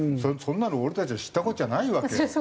そんなの俺たちは知ったこっちゃないわけ。